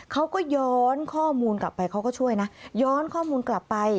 เขาก็ย้อนข้อมูลกลับไปเขาก็ช่วยนะย้อนข้อมูลกลับไป